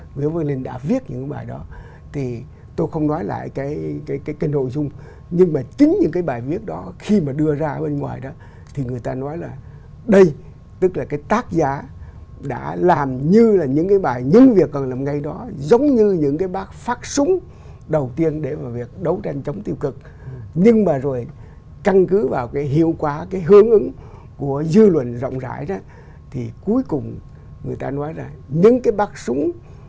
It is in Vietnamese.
nguyễn văn linh đã viết những bài đó thì tôi không nói lại cái kênh hội chung nhưng mà chính những cái bài viết đó khi mà đưa ra bên ngoài đó thì người ta nói là đây tức là cái tác giá đã làm như là những cái bài những việc cần làm ngay đó giống như những cái bác phát súng đầu tiên để vào việc đấu tranh chống tiêu cực nhưng mà rồi căn cứ vào cái hiệu quả cái hướng ứng của dư luận rộng rãi đó thì cuối cùng người ta nói là những cái bác súng